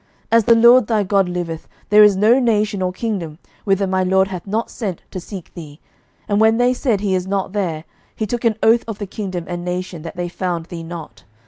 11:018:010 As the LORD thy God liveth, there is no nation or kingdom, whither my lord hath not sent to seek thee: and when they said, He is not there; he took an oath of the kingdom and nation, that they found thee not.